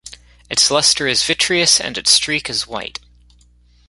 Its luster is vitreous and its streak is white.